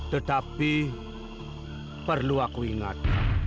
tetapi perlu aku ingat